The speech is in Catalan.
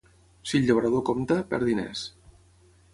Si el llaurador compta, perd diners.